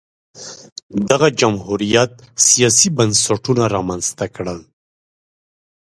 دغه جمهوریت سیاسي بنسټونه رامنځته کړل